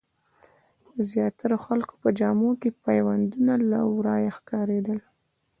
د زیاترو خلکو په جامو کې پیوندونه له ورايه ښکارېدل.